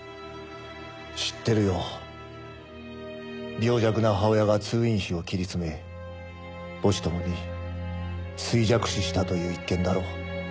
病弱な母親が通院費を切り詰め母子ともに衰弱死したという一件だろ？